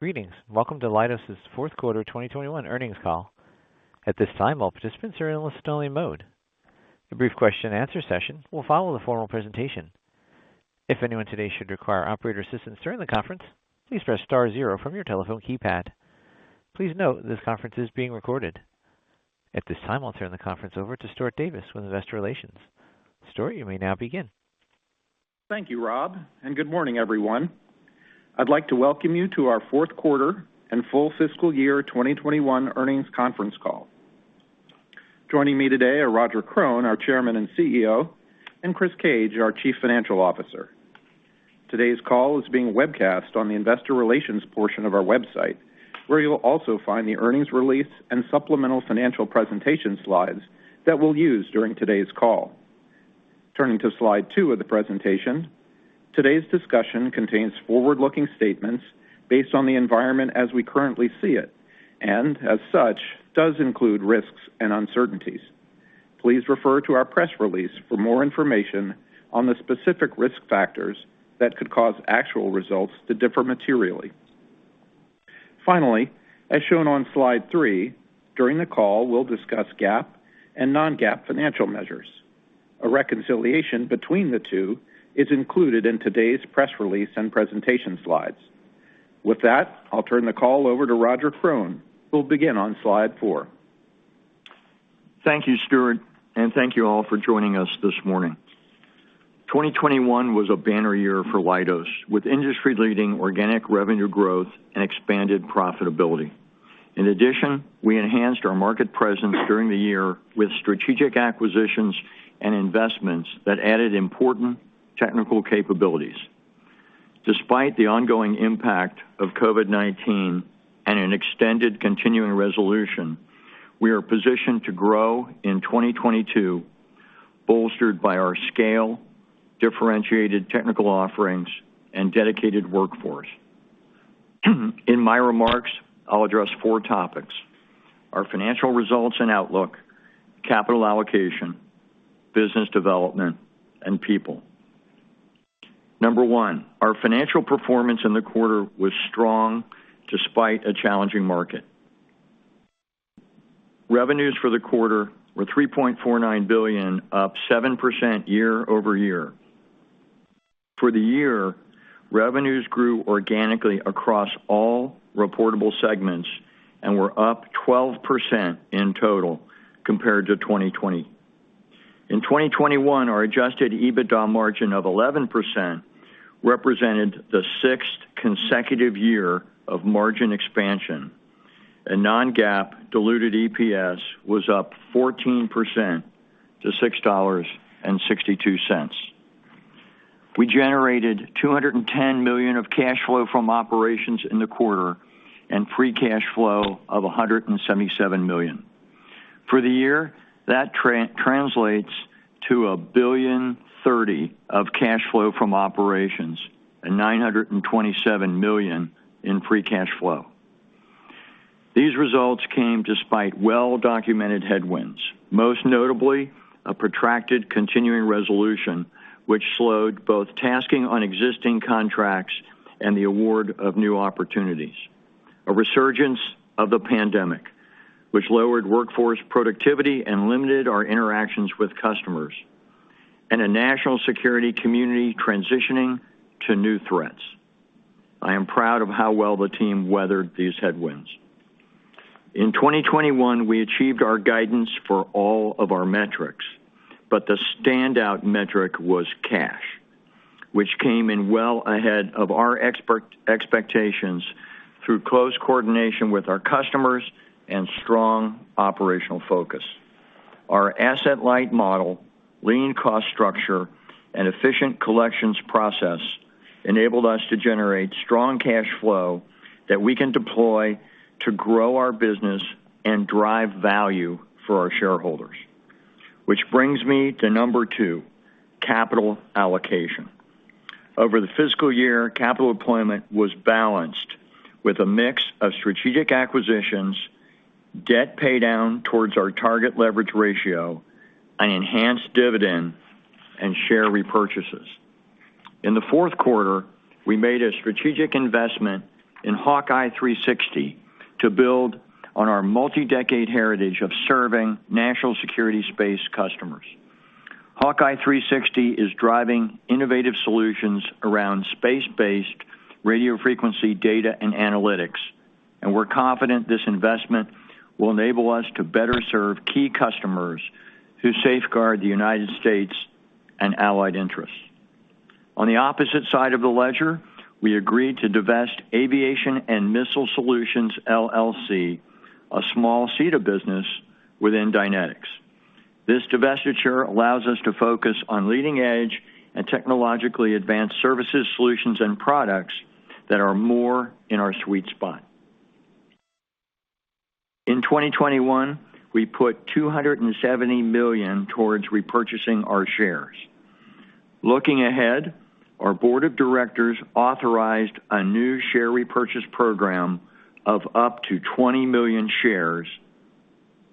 Greetings. Welcome to Leidos' Fourth Quarter 2021 Earnings Call. At this time, all participants are in listen-only mode. A brief question-and-answer session will follow the formal presentation. If anyone today should require operator assistance during the conference, please press star zero from your telephone keypad. Please note this conference is being recorded. At this time, I'll turn the conference over to Stuart Davis with Investor Relations. Stuart, you may now begin. Thank you, Rob, and good morning, everyone. I'd like to welcome you to our fourth quarter and full fiscal year 2021 earnings conference call. Joining me today are Roger Krone, our Chairman and CEO, and Chris Cage, our Chief Financial Officer. Today's call is being webcast on the investor relations portion of our website, where you'll also find the earnings release and supplemental financial presentation slides that we'll use during today's call. Turning to slide two of the presentation. Today's discussion contains forward-looking statements based on the environment as we currently see it, and as such, does include risks and uncertainties. Please refer to our press release for more information on the specific risk factors that could cause actual results to differ materially. Finally, as shown on slide three, during the call, we'll discuss GAAP and non-GAAP financial measures. A reconciliation between the two is included in today's press release and presentation slides. With that, I'll turn the call over to Roger Krone, who'll begin on slide four. Thank you, Stuart, and thank you all for joining us this morning. 2021 was a banner year for Leidos, with industry-leading organic revenue growth and expanded profitability. In addition, we enhanced our market presence during the year with strategic acquisitions and investments that added important technical capabilities. Despite the ongoing impact of COVID-19 and an extended continuing resolution, we are positioned to grow in 2022, bolstered by our scale, differentiated technical offerings, and dedicated workforce. In my remarks, I'll address four topics, our financial results and outlook, capital allocation, business development, and people. One, our financial performance in the quarter was strong despite a challenging market. Revenues for the quarter were $3.49 billion, up 7% year-over-year. For the year, revenues grew organically across all reportable segments and were up 12% in total compared to 2020. In 2021, our adjusted EBITDA margin of 11% represented the sixth consecutive year of margin expansion, and non-GAAP diluted EPS was up 14% to $6.62. We generated $210 million of cash flow from operations in the quarter and free cash flow of $177 million. For the year, that translates to $1.03 billion of cash flow from operations and $927 million in free cash flow. These results came despite well-documented headwinds, most notably a protracted continuing resolution which slowed both tasking on existing contracts and the award of new opportunities, a resurgence of the pandemic which lowered workforce productivity and limited our interactions with customers, and a national security community transitioning to new threats. I am proud of how well the team weathered these headwinds. In 2021, we achieved our guidance for all of our metrics, but the standout metric was cash, which came in well ahead of our expectations through close coordination with our customers and strong operational focus. Our asset-light model, lean cost structure, and efficient collections process enabled us to generate strong cash flow that we can deploy to grow our business and drive value for our shareholders. Which brings me to number two, capital allocation. Over the fiscal year, capital deployment was balanced with a mix of strategic acquisitions, debt paydown towards our target leverage ratio, an enhanced dividend, and share repurchases. In the fourth quarter, we made a strategic investment in HawkEye 360 to build on our multi-decade heritage of serving national security space customers. HawkEye 360 is driving innovative solutions around space-based radio frequency data and analytics, and we're confident this investment will enable us to better serve key customers who safeguard the United States and allied interests. On the opposite side of the ledger, we agreed to divest Aviation & Missile Solutions, LLC, a small C2 business within Dynetics. This divestiture allows us to focus on leading-edge and technologically advanced services solutions and products that are more in our sweet spot. In 2021, we put $270 million towards repurchasing our shares. Looking ahead, our board of directors authorized a new share repurchase program of up to 20 million shares,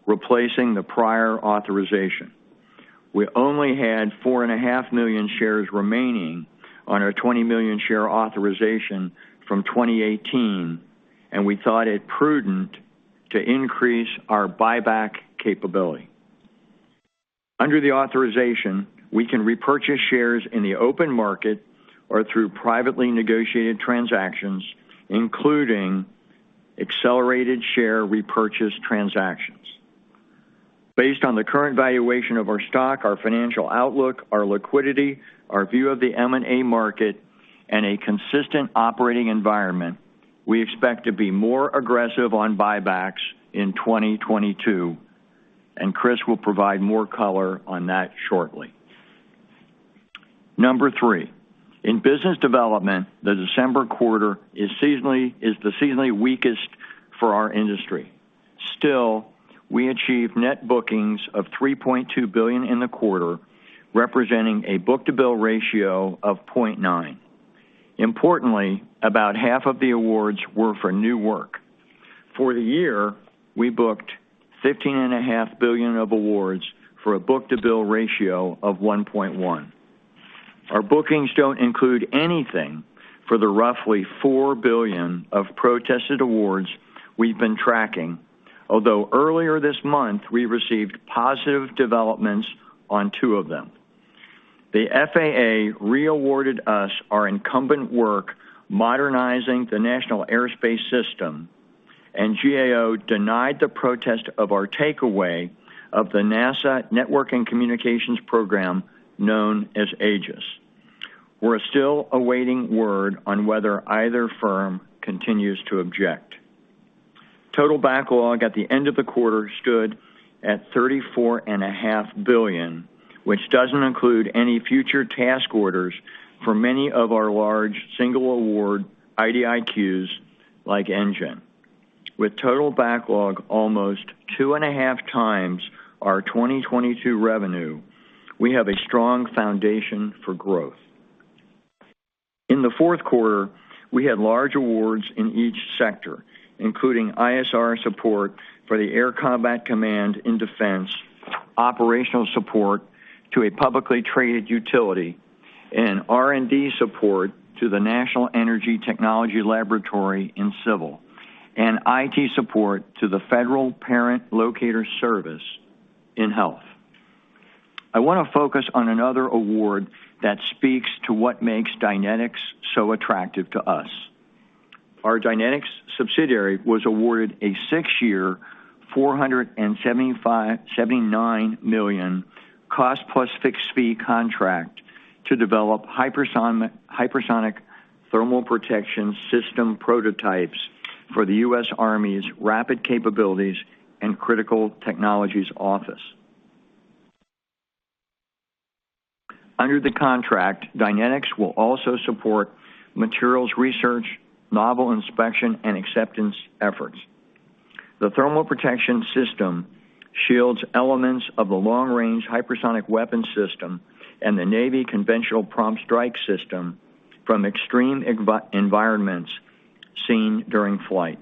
replacing the prior authorization. We only had 4.5 million shares remaining on our 20 million share authorization from 2018, and we thought it prudent to increase our buyback capability. Under the authorization, we can repurchase shares in the open market or through privately negotiated transactions, including accelerated share repurchase transactions. Based on the current valuation of our stock, our financial outlook, our liquidity, our view of the M&A market, and a consistent operating environment, we expect to be more aggressive on buybacks in 2022, and Chris will provide more color on that shortly. Three, in business development, the December quarter is seasonally the weakest for our industry. Still, we achieved net bookings of $3.2 billion in the quarter, representing a book-to-bill ratio of 0.9. Importantly, about half of the awards were for new work. For the year, we booked $15.5 billion of awards for a book-to-bill ratio of 1.1. Our bookings don't include anything for the roughly $4 billion of protested awards we've been tracking, although earlier this month, we received positive developments on two of them. The FAA re-awarded us our incumbent work modernizing the National Airspace System, and GAO denied the protest of our takeaway of the NASA Network and Communications Program known as AEGIS. We're still awaiting word on whether either firm continues to object. Total backlog at the end of the quarter stood at $34.5 billion, which doesn't include any future task orders for many of our large single award IDIQs like NGEN. With total backlog almost two and a half times our 2022 revenue, we have a strong foundation for growth. In the fourth quarter, we had large awards in each sector, including ISR support for the Air Combat Command in Defense, operational support to a publicly traded utility, and R&D support to the National Energy Technology Laboratory in Civil, and IT support to the Federal Parent Locator Service in Health. I wanna focus on another award that speaks to what makes Dynetics so attractive to us. Our Dynetics subsidiary was awarded a six-year $479 million cost-plus-fixed-fee contract to develop hypersonic thermal protection system prototypes for the U.S. Army's Rapid Capabilities and Critical Technologies Office. Under the contract, Dynetics will also support materials research, novel inspection, and acceptance efforts. The thermal protection system shields elements of the long-range hypersonic weapons system and the Navy conventional prompt strike system from extreme environments seen during flight.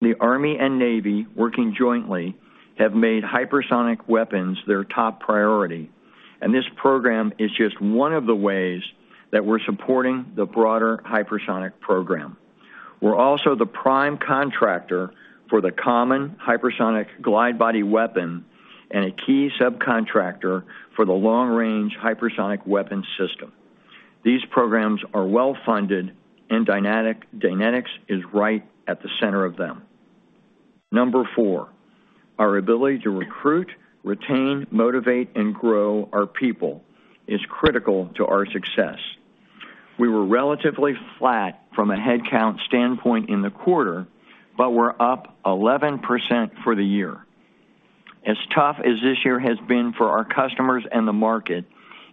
The Army and Navy, working jointly, have made hypersonic weapons their top priority, and this program is just one of the ways that we're supporting the broader hypersonic program. We're also the prime contractor for the common hypersonic glide body weapon and a key subcontractor for the long-range hypersonic weapons system. These programs are well-funded, and Dynetics is right at the center of them. Number four, our ability to recruit, retain, motivate, and grow our people is critical to our success. We were relatively flat from a headcount standpoint in the quarter, but we're up 11% for the year. As tough as this year has been for our customers and the market,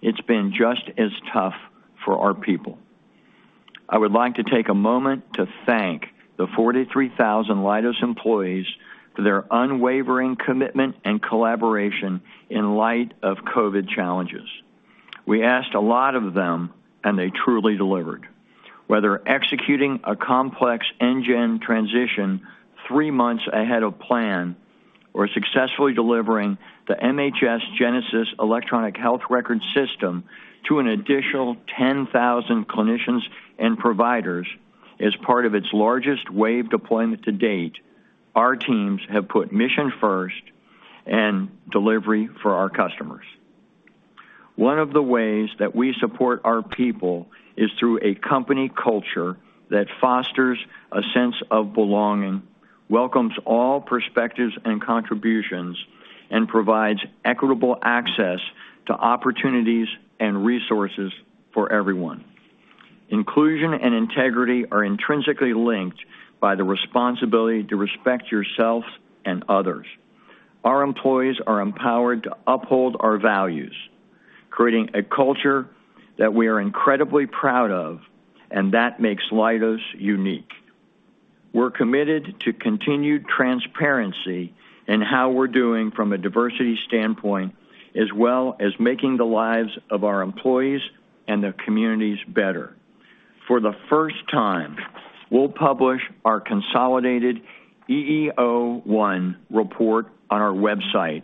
it's been just as tough for our people. I would like to take a moment to thank the 43,000 Leidos employees for their unwavering commitment and collaboration in light of COVID challenges. We asked a lot of them, and they truly delivered. Whether executing a complex NGEN transition three months ahead of plan or successfully delivering the MHS GENESIS electronic health record system to an additional 10,000 clinicians and providers as part of its largest wave deployment to date, our teams have put mission first and delivery for our customers. One of the ways that we support our people is through a company culture that fosters a sense of belonging, welcomes all perspectives and contributions, and provides equitable access to opportunities and resources for everyone. Inclusion and integrity are intrinsically linked by the responsibility to respect yourself and others. Our employees are empowered to uphold our values, creating a culture that we are incredibly proud of and that makes Leidos unique. We're committed to continued transparency in how we're doing from a diversity standpoint, as well as making the lives of our employees and their communities better. For the first time, we'll publish our consolidated EEO-1 report on our website,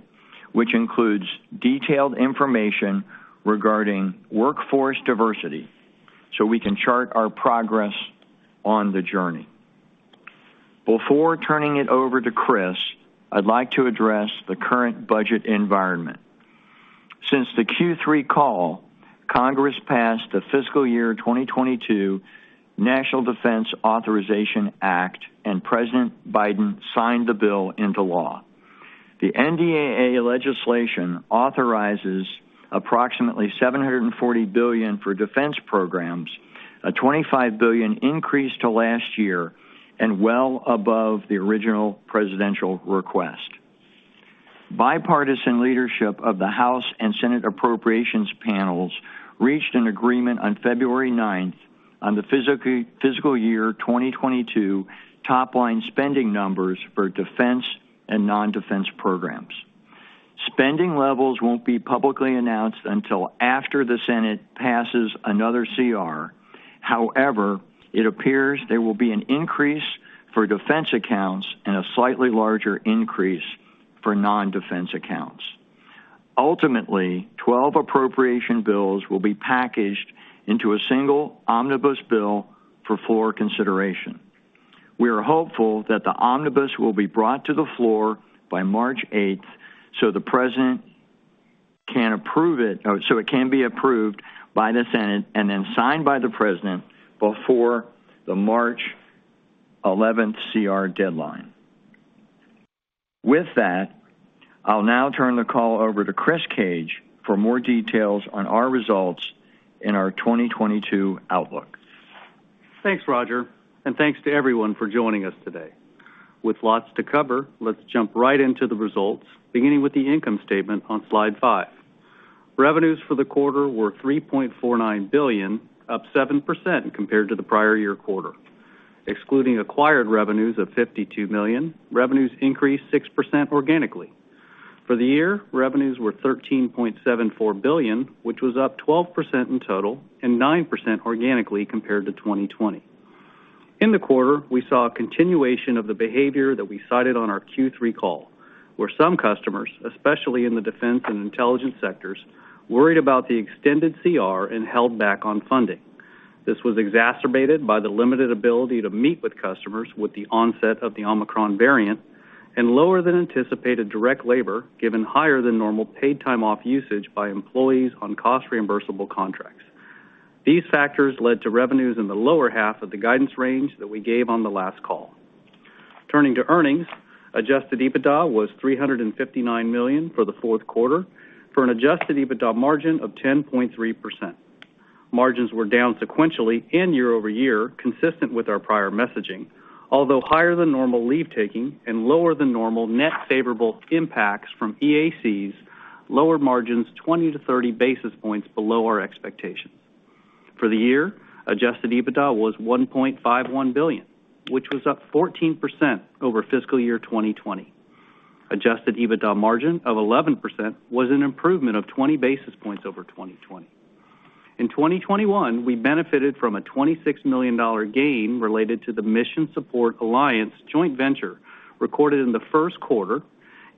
which includes detailed information regarding workforce diversity, so we can chart our progress on the journey. Before turning it over to Chris, I'd like to address the current budget environment. Since the Q3 call, Congress passed the fiscal year 2022 National Defense Authorization Act, and President Biden signed the bill into law. The NDAA legislation authorizes approximately $740 billion for defense programs, a $25 billion increase to last year and well above the original presidential request. Bipartisan leadership of the House and Senate Appropriations panels reached an agreement on February 9th on the fiscal year 2022 top-line spending numbers for defense and non-defense programs. Spending levels won't be publicly announced until after the Senate passes another CR. However, it appears there will be an increase for defense accounts and a slightly larger increase for non-defense accounts. Ultimately, 12 appropriation bills will be packaged into a single omnibus bill for floor consideration. We are hopeful that the omnibus will be brought to the floor by March 8 so it can be approved by the Senate and then signed by the President before the March 11th CR deadline. With that, I'll now turn the call over to Chris Cage for more details on our results and our 2022 outlook. Thanks, Roger, and thanks to everyone for joining us today. With lots to cover, let's jump right into the results, beginning with the income statement on slide five. Revenues for the quarter were $3.49 billion, up 7% compared to the prior year quarter. Excluding acquired revenues of $52 million, revenues increased 6% organically. For the year, revenues were $13.74 billion, which was up 12% in total and 9% organically compared to 2020. In the quarter, we saw a continuation of the behavior that we cited on our Q3 call, where some customers, especially in the defense and intelligence sectors, worried about the extended CR and held back on funding. This was exacerbated by the limited ability to meet with customers with the onset of the Omicron variant and lower than anticipated direct labor, given higher than normal paid time off usage by employees on cost-reimbursable contracts. These factors led to revenues in the lower half of the guidance range that we gave on the last call. Turning to earnings, adjusted EBITDA was $359 million for the fourth quarter for an adjusted EBITDA margin of 10.3%. Margins were down sequentially and year-over-year, consistent with our prior messaging. Although higher than normal leave taking and lower than normal net favorable impacts from EACs, lower margins, 20-30 basis points below our expectations. For the year, adjusted EBITDA was $1.51 billion, which was up 14% over fiscal year 2020. Adjusted EBITDA margin of 11% was an improvement of 20 basis points over 2020. In 2021, we benefited from a $26 million gain related to the Mission Support Alliance joint venture recorded in the first quarter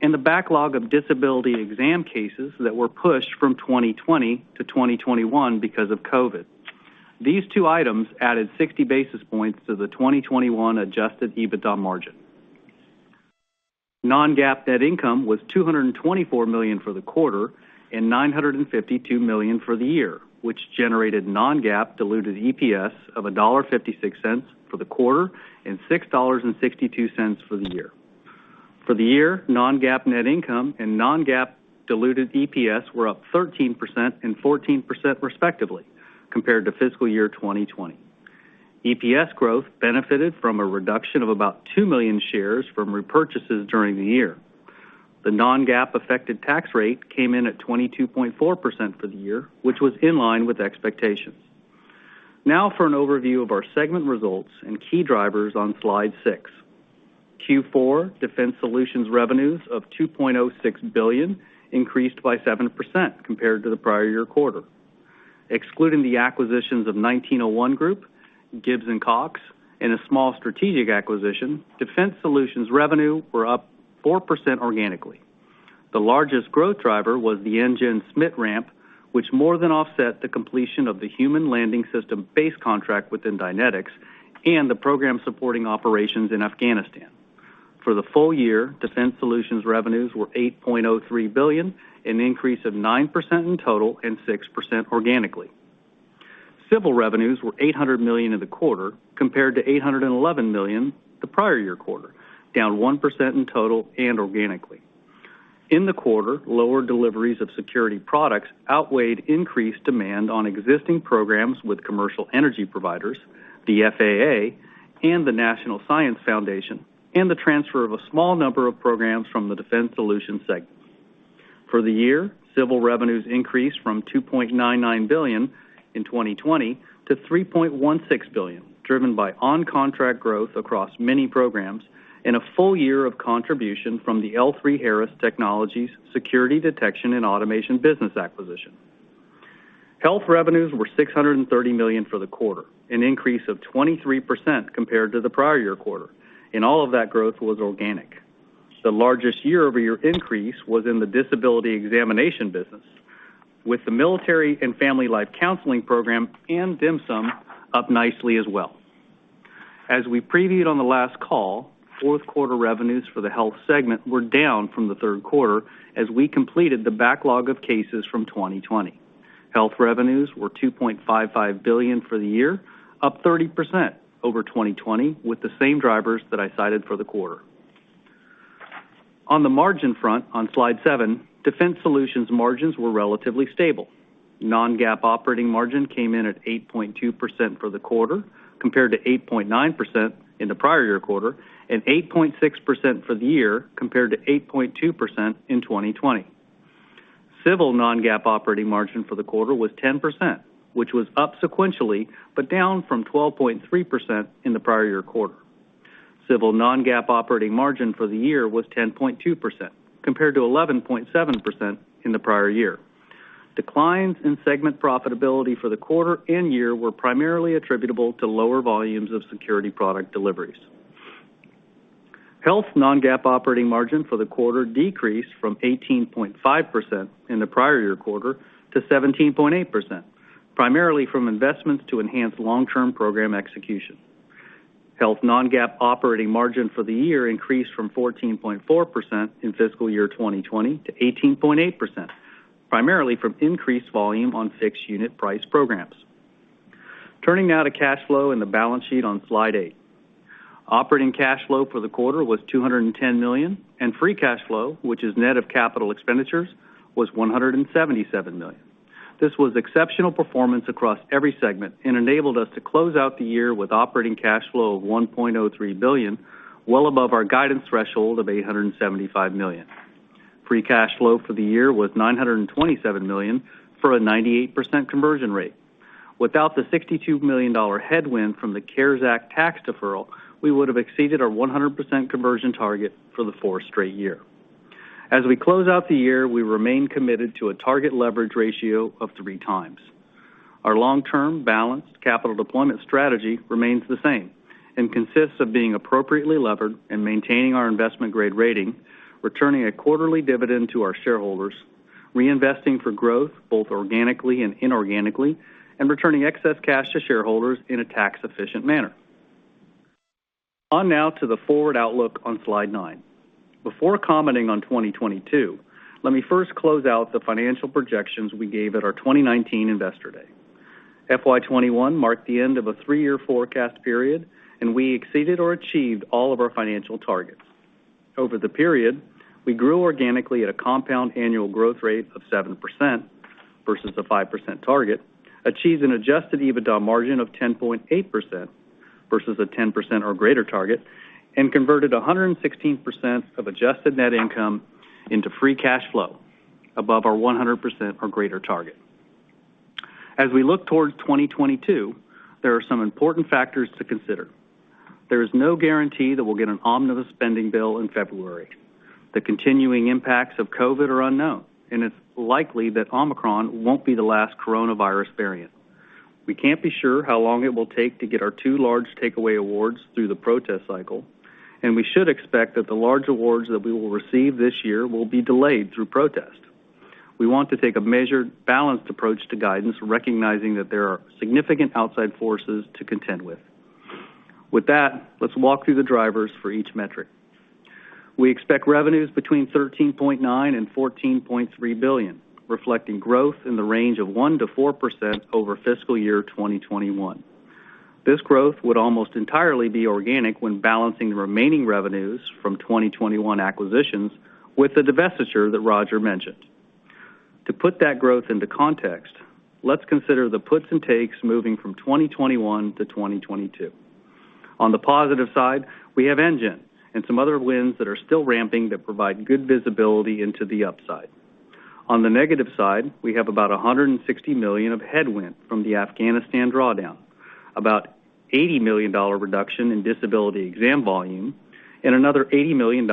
and the backlog of disability exam cases that were pushed from 2020 to 2021 because of COVID. These two items added 60 basis points to the 2021 adjusted EBITDA margin. Non-GAAP net income was $224 million for the quarter and $952 million for the year, which generated non-GAAP diluted EPS of $1.56 for the quarter and $6.62 for the year. For the year, non-GAAP net income and non-GAAP diluted EPS were up 13% and 14%, respectively, compared to fiscal year 2020. EPS growth benefited from a reduction of about 2 million shares from repurchases during the year. The non-GAAP effective tax rate came in at 22.4% for the year, which was in line with expectations. Now for an overview of our segment results and key drivers on slide six. Q4 Defense Solutions revenues of $2.06 billion increased by 7% compared to the prior year quarter. Excluding the acquisitions of 1901 Group, Gibbs & Cox, and a small strategic acquisition, Defense Solutions revenue were up 4% organically. The largest growth driver was the NGEN ramp, which more than offset the completion of the Human Landing System base contract within Dynetics and the program supporting operations in Afghanistan. For the full year, Defense Solutions revenues were $8.03 billion, an increase of 9% in total and 6% organically. Civil revenues were $800 million in the quarter, compared to $811 million the prior year quarter, down 1% in total and organically. In the quarter, lower deliveries of security products outweighed increased demand on existing programs with commercial energy providers, the FAA, and the National Science Foundation, and the transfer of a small number of programs from the Defense Solutions segment. For the year, civil revenues increased from $2.99 billion in 2020 to $3.16 billion, driven by on-contract growth across many programs and a full year of contribution from the L3Harris Technologies security detection and automation business acquisition. Health revenues were $630 million for the quarter, an increase of 23% compared to the prior year quarter, and all of that growth was organic. The largest year-over-year increase was in the disability examination business, with the Military and Family Life Counseling program and DHMSM up nicely as well. As we previewed on the last call, fourth quarter revenues for the health segment were down from the third quarter as we completed the backlog of cases from 2020. Health revenues were $2.55 billion for the year, up 30% over 2020 with the same drivers that I cited for the quarter. On the margin front on slide seven, Defense Solutions margins were relatively stable. Non-GAAP operating margin came in at 8.2% for the quarter compared to 8.9% in the prior year quarter and 8.6% for the year compared to 8.2% in 2020. Civil non-GAAP operating margin for the quarter was 10%, which was up sequentially, but down from 12.3% in the prior year quarter. Civil non-GAAP operating margin for the year was 10.2%, compared to 11.7% in the prior year. Declines in segment profitability for the quarter and year were primarily attributable to lower volumes of security product deliveries. Health non-GAAP operating margin for the quarter decreased from 18.5% in the prior year quarter to 17.8%, primarily from investments to enhance long-term program execution. Health non-GAAP operating margin for the year increased from 14.4% in fiscal year 2020 to 18.8%, primarily from increased volume on fixed unit price programs. Turning now to cash flow and the balance sheet on slide eight. Operating cash flow for the quarter was $210 million, and free cash flow, which is net of capital expenditures, was $177 million. This was exceptional performance across every segment and enabled us to close out the year with operating cash flow of $1.03 billion, well above our guidance threshold of $875 million. Free cash flow for the year was $927 million for a 98% conversion rate. Without the $62 million headwind from the CARES Act tax deferral, we would have exceeded our 100% conversion target for the fourth straight year. As we close out the year, we remain committed to a target leverage ratio of 3x. Our long-term balanced capital deployment strategy remains the same and consists of being appropriately levered and maintaining our investment grade rating, returning a quarterly dividend to our shareholders, reinvesting for growth, both organically and inorganically, and returning excess cash to shareholders in a tax-efficient manner. Now on to the forward outlook on slide nine. Before commenting on 2022, let me first close out the financial projections we gave at our 2019 Investor Day. FY 2021 marked the end of a three-year forecast period, and we exceeded or achieved all of our financial targets. Over the period, we grew organically at a compound annual growth rate of 7% versus the 5% target, achieved an adjusted EBITDA margin of 10.8% versus a 10% or greater target, and converted 116% of adjusted net income into free cash flow above our 100% or greater target. As we look towards 2022, there are some important factors to consider. There is no guarantee that we'll get an omnibus spending bill in February. The continuing impacts of COVID are unknown, and it's likely that Omicron won't be the last coronavirus variant. We can't be sure how long it will take to get our two large takeaway awards through the protest cycle, and we should expect that the large awards that we will receive this year will be delayed through protest. We want to take a measured, balanced approach to guidance, recognizing that there are significant outside forces to contend with. With that, let's walk through the drivers for each metric. We expect revenues between $13.9 billion and $14.3 billion, reflecting growth in the range of 1%-4% over fiscal year 2021. This growth would almost entirely be organic when balancing the remaining revenues from 2021 acquisitions with the divestiture that Roger mentioned. To put that growth into context, let's consider the puts and takes moving from 2021 to 2022. On the positive side, we have NGEN and some other wins that are still ramping that provide good visibility into the upside. On the negative side, we have about $160 million of headwind from the Afghanistan drawdown, about $80 million reduction in disability exam volume, and another $80 million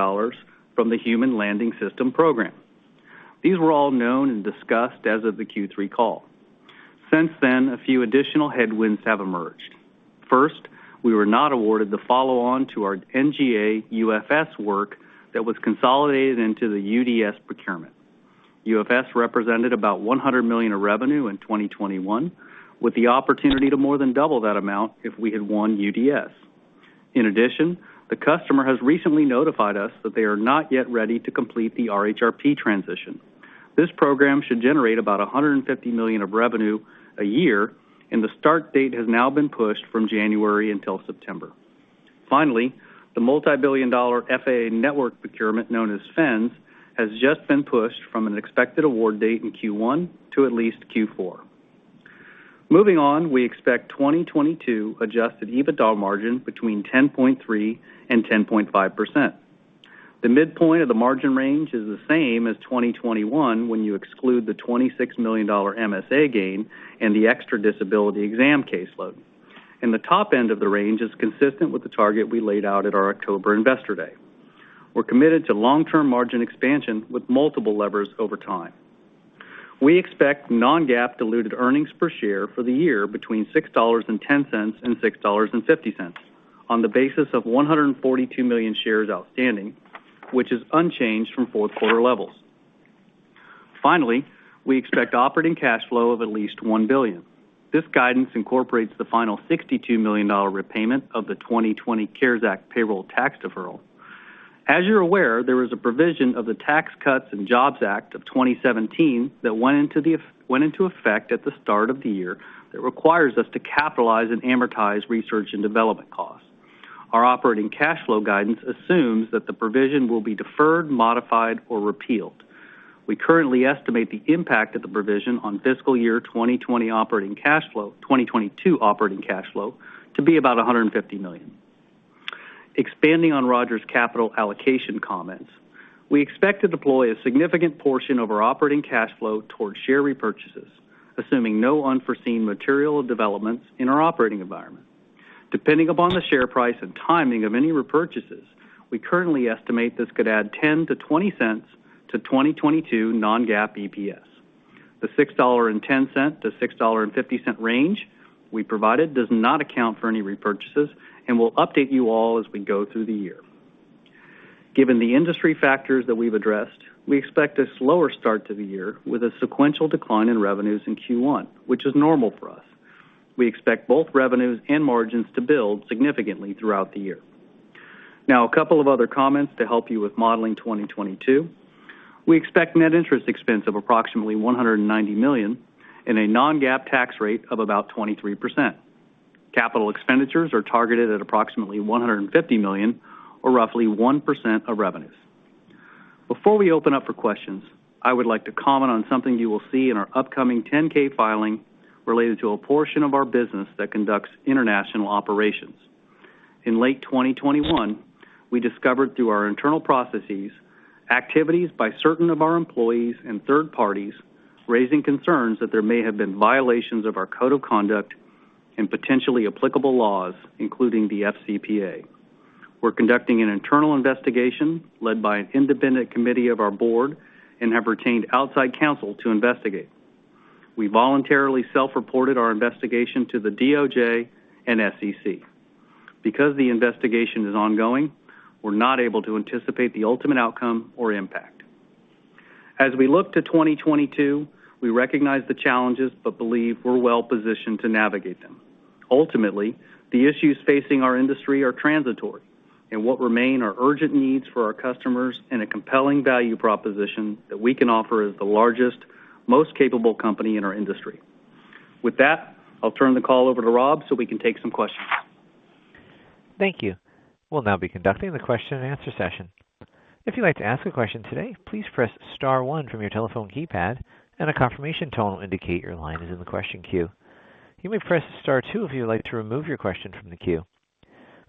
from the Human Landing System program. These were all known and discussed as of the Q3 call. Since then, a few additional headwinds have emerged. First, we were not awarded the follow on to our NGA UFS work that was consolidated into the UDS procurement. UFS represented about $100 million of revenue in 2021, with the opportunity to more than double that amount if we had won UDS. In addition, the customer has recently notified us that they are not yet ready to complete the RHRP transition. This program should generate about $150 million of revenue a year, and the start date has now been pushed from January until September. Finally, the multibillion-dollar FAA network procurement known as FENS has just been pushed from an expected award date in Q1 to at least Q4. Moving on, we expect 2022 adjusted EBITDA margin between 10.3% and 10.5%. The midpoint of the margin range is the same as 2021 when you exclude the $26 million MSA gain and the extra disability exam caseload. The top end of the range is consistent with the target we laid out at our October Investor Day. We're committed to long-term margin expansion with multiple levers over time. We expect non-GAAP diluted earnings per share for the year between $6.10 and $6.50 on the basis of 142 million shares outstanding, which is unchanged from fourth quarter levels. Finally, we expect operating cash flow of at least $1 billion. This guidance incorporates the final $62 million repayment of the 2020 CARES Act payroll tax deferral. As you're aware, there is a provision of the Tax Cuts and Jobs Act of 2017 that went into effect at the start of the year that requires us to capitalize and amortize research and development costs. Our operating cash flow guidance assumes that the provision will be deferred, modified, or repealed. We currently estimate the impact of the provision on fiscal year 2022 operating cash flow to be about $150 million. Expanding on Roger's capital allocation comments, we expect to deploy a significant portion of our operating cash flow towards share repurchases, assuming no unforeseen material developments in our operating environment. Depending upon the share price and timing of any repurchases, we currently estimate this could add $0.10-$0.20 to 2022 non-GAAP EPS. The $6.10-$6.50 range we provided does not account for any repurchases, and we'll update you all as we go through the year. Given the industry factors that we've addressed, we expect a slower start to the year with a sequential decline in revenues in Q1, which is normal for us. We expect both revenues and margins to build significantly throughout the year. Now, a couple of other comments to help you with modeling 2022. We expect net interest expense of approximately $190 million and a non-GAAP tax rate of about 23%. Capital expenditures are targeted at approximately $150 million or roughly 1% of revenues. Before we open up for questions, I would like to comment on something you will see in our upcoming 10-K filing related to a portion of our business that conducts international operations. In late 2021, we discovered through our internal processes activities by certain of our employees and third parties, raising concerns that there may have been violations of our code of conduct and potentially applicable laws, including the FCPA. We're conducting an internal investigation led by an independent committee of our board and have retained outside counsel to investigate. We voluntarily self-reported our investigation to the DOJ and SEC. Because the investigation is ongoing, we're not able to anticipate the ultimate outcome or impact. As we look to 2022, we recognize the challenges but believe we're well-positioned to navigate them. Ultimately, the issues facing our industry are transitory, and what remain are urgent needs for our customers and a compelling value proposition that we can offer as the largest, most capable company in our industry. With that, I'll turn the call over to Rob so we can take some questions. Thank you. We'll now be conducting the question and answer session. If you'd like to ask a question today, please press star one from your telephone keypad and a confirmation tone will indicate your line is in the question queue. You may press star two if you would like to remove your question from the queue.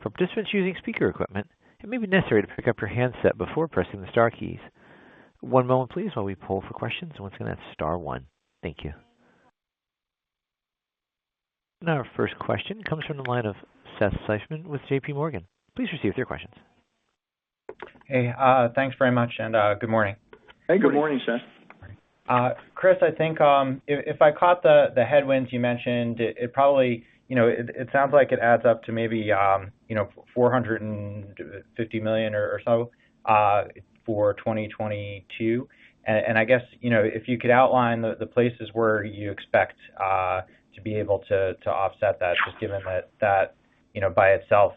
For participants using speaker equipment, it may be necessary to pick up your handset before pressing the star keys. One moment please while we poll for questions. Once again, that's star one. Thank you. Now our first question comes from the line of Seth Seifman with JPMorgan. Please proceed with your questions. Hey, thanks very much, and good morning. Good morning, Seth. Chris, I think if I caught the headwinds you mentioned, it probably, you know, it sounds like it adds up to maybe $450 million or so for 2022. I guess, you know, if you could outline the places where you expect to be able to offset that, just given that, you know, by itself,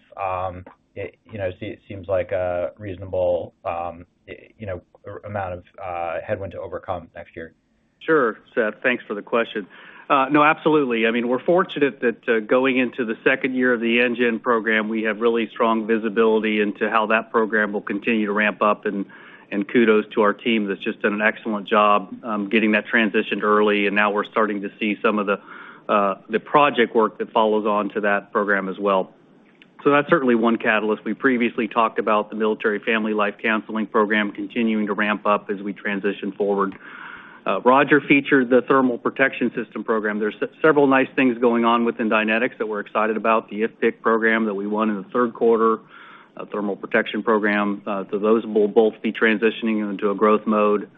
it, you know, it seems like a reasonable, you know, amount of headwind to overcome next year. Sure, Seth, thanks for the question. No, absolutely. I mean, we're fortunate that, going into the second year of the NGEN program, we have really strong visibility into how that program will continue to ramp up, and kudos to our team that's just done an excellent job getting that transitioned early. Now we're starting to see some of the project work that follows on to that program as well. That's certainly one catalyst. We previously talked about the Military and Family Life Counseling program continuing to ramp up as we transition forward. Roger featured the thermal protection system program. There's several nice things going on within Dynetics that we're excited about, the IFPC program that we won in the third quarter, a thermal protection program. Those will both be transitioning into a growth mode.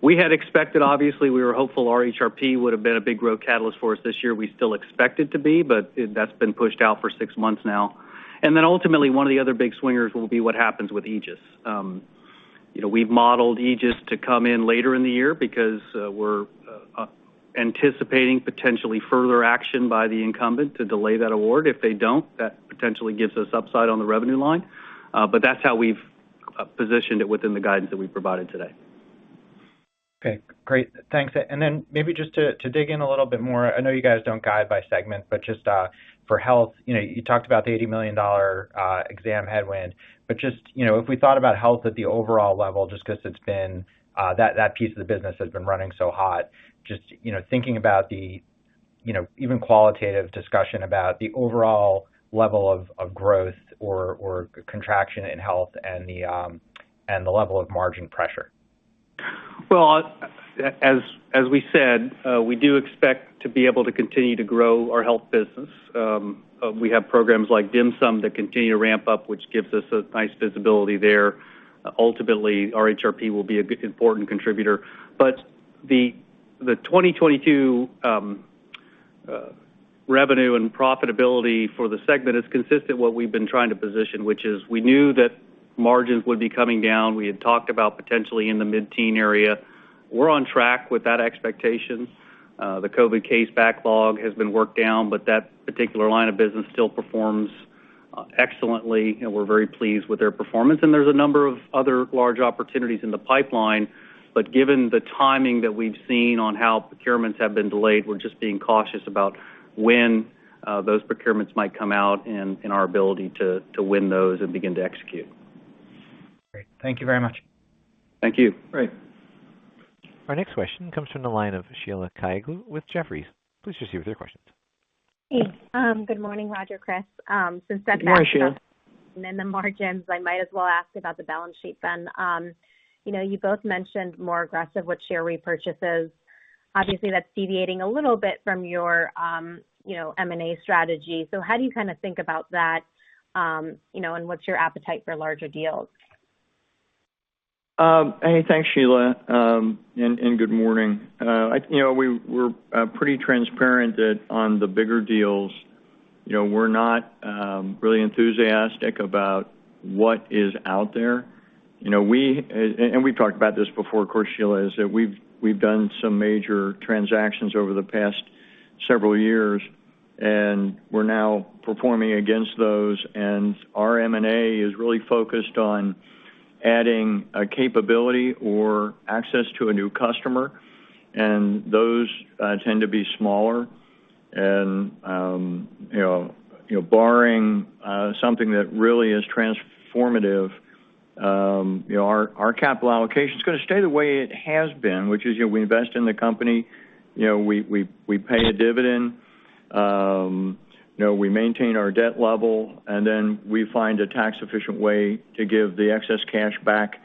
We had expected, obviously, we were hopeful RHRP would have been a big growth catalyst for us this year. We still expect it to be, but that's been pushed out for six months now. Ultimately, one of the other big swingers will be what happens with AEGIS. You know, we've modeled AEGIS to come in later in the year because we're anticipating potentially further action by the incumbent to delay that award. If they don't, that potentially gives us upside on the revenue line. That's how we've positioned it within the guidance that we provided today. Okay, great. Thanks. Then maybe just to dig in a little bit more, I know you guys don't guide by segment, but just for health, you know, you talked about the $80 million exam headwind. But just, you know, if we thought about health at the overall level, just 'cause it's been that piece of the business has been running so hot, just, you know, thinking about the, you know, even qualitative discussion about the overall level of growth or contraction in health and the level of margin pressure. Well, we said we do expect to be able to continue to grow our health business. We have programs like DHMSM that continue to ramp up, which gives us a nice visibility there. Ultimately, our RHRP will be an important contributor. The 2022 revenue and profitability for the segment is consistent with what we've been trying to position, which is we knew that margins would be coming down. We had talked about potentially in the mid-teens. We're on track with that expectation. The COVID case backlog has been worked down, but that particular line of business still performs excellently, and we're very pleased with their performance. There's a number of other large opportunities in the pipeline. Given the timing that we've seen on how procurements have been delayed, we're just being cautious about when those procurements might come out and our ability to win those and begin to execute. Great. Thank you very much. Thank you. Great. Our next question comes from the line of Sheila Kahyaoglu with Jefferies. Please proceed with your questions. Hey. Good morning, Roger, Chris. Since that- Good morning, Sheila. Then the margins. I might as well ask about the balance sheet then. You know, you both mentioned more aggressive with share repurchases. Obviously, that's deviating a little bit from your, you know, M&A strategy. How do you kinda think about that, you know, and what's your appetite for larger deals? Hey, thanks, Sheila. Good morning. You know, we're pretty transparent that on the bigger deals, you know, we're not really enthusiastic about what is out there. You know, we've talked about this before, of course, Sheila, is that we've done some major transactions over the past several years, and we're now performing against those. Our M&A is really focused on adding a capability or access to a new customer, and those tend to be smaller. You know, barring something that really is transformative, you know, our capital allocation is gonna stay the way it has been, which is, you know, we invest in the company, you know, we pay a dividend, you know, we maintain our debt level, and then we find a tax-efficient way to give the excess cash back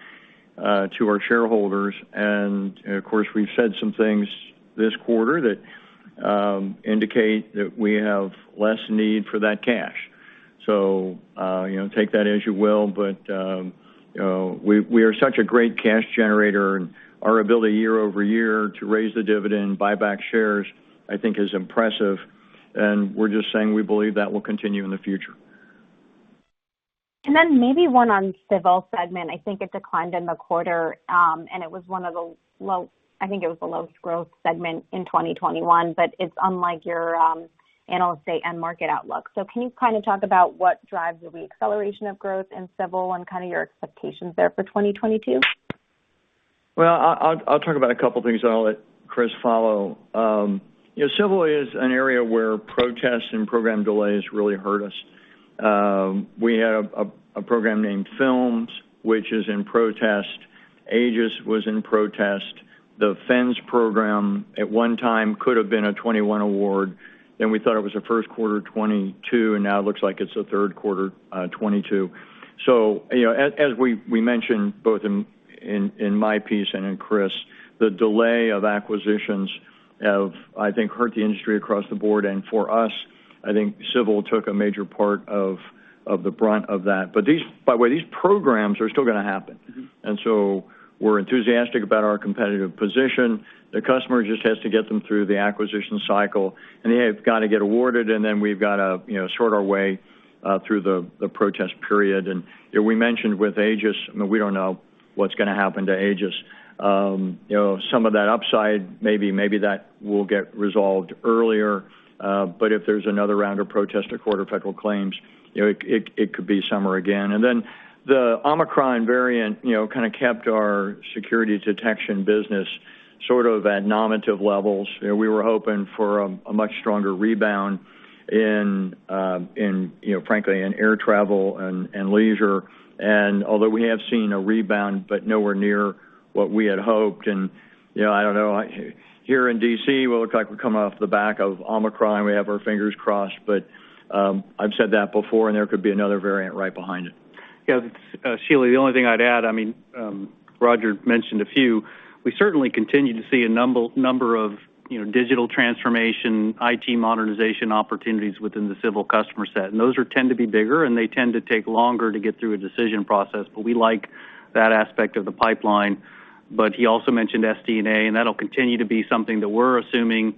to our shareholders. Of course, we've said some things this quarter that indicate that we have less need for that cash. You know, take that as you will. You know, we are such a great cash generator, and our ability year-over-year to raise the dividend, buy back shares, I think is impressive. We're just saying we believe that will continue in the future. Maybe one on Civil segment. I think it declined in the quarter, and I think it was the lowest growth segment in 2021, but it's unlike your Investor Day and market outlook. Can you kind of talk about what drives the reacceleration of growth in Civil and kind of your expectations there for 2022? Well, I'll talk about a couple of things, and I'll let Chris follow. You know, Civil is an area where protests and program delays really hurt us. We had a program named FILMSS, which is in protest. AEGIS was in protest. The FENS program at one time could have been a 2021 award, then we thought it was a first quarter 2022, and now it looks like it's a third quarter 2022. You know, as we mentioned both in my piece and in Chris, the delay of acquisitions have, I think, hurt the industry across the board. For us, I think Civil took a major part of the brunt of that. These, by the way, these programs are still gonna happen. Mm-hmm. We're enthusiastic about our competitive position. The customer just has to get them through the acquisition cycle, and they've got to get awarded, and then we've got to, you know, sort our way through the protest period. You know, we mentioned with AEGIS. I mean, we don't know what's gonna happen to AEGIS. You know, some of that upside, maybe that will get resolved earlier. But if there's another round of protest or Court of Federal Claims, you know, it could be summer again. Then the Omicron variant, you know, kind of kept our Security Detection business sort of at nominal levels. You know, we were hoping for a much stronger rebound in, you know, frankly, in air travel and leisure. Although we have seen a rebound, but nowhere near what we had hoped. You know, I don't know. Here in D.C., we look like we're coming off the back of Omicron. We have our fingers crossed, but I've said that before, and there could be another variant right behind it. Yeah. Sheila, the only thing I'd add, I mean, Roger mentioned a few. We certainly continue to see a number of, you know, digital transformation, IT modernization opportunities within the Civil customer set. Those tend to be bigger, and they tend to take longer to get through a decision process. We like that aspect of the pipeline. He also mentioned SD&A, and that'll continue to be something that we're assuming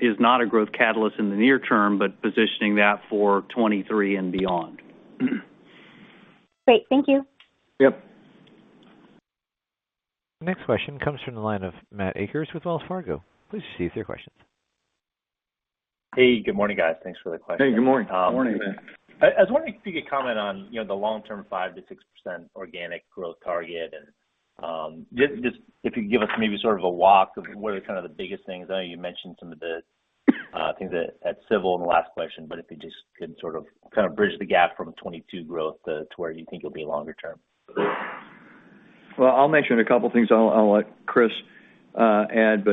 is not a growth catalyst in the near term, but positioning that for 2023 and beyond. Great. Thank you. Yep. The next question comes from the line of Matthew Akers with Wells Fargo. Please proceed with your questions. Hey, good morning, guys. Thanks for the question. Hey, good morning. Morning, Matt. I was wondering if you could comment on, you know, the long-term 5%-6% organic growth target. Just if you could give us maybe sort of a walkthrough of what are kind of the biggest things. I know you mentioned some of the things at Civil in the last question, but if you just could sort of, kind of bridge the gap from 2022 growth to where you think it'll be longer term. Well, I'll mention a couple of things. I'll let Chris add.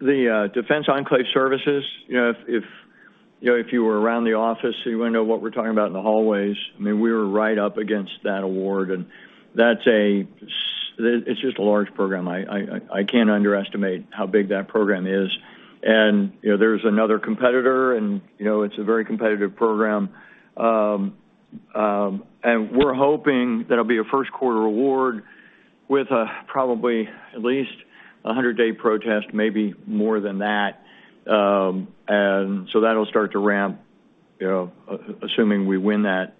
The Defense Enclave Services, you know, if you were around the office, so you wouldn't know what we're talking about in the hallways. I mean, we were right up against that award, and that's a large program. I can't underestimate how big that program is. You know, there's another competitor, and you know, it's a very competitive program. We're hoping that it'll be a first quarter award with probably at least a 100-day protest, maybe more than that. That'll start to ramp, you know, assuming we win that,